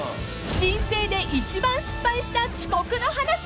［人生で一番失敗した遅刻の話］